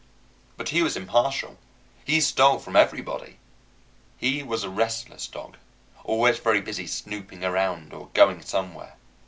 But he was impartial. He stole from everybody. He was a restless dog, always very busy snooping around or going somewhere.